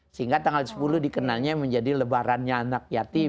sehingga tanggal sepuluh dikenalnya menjadi lebarannya anak yatim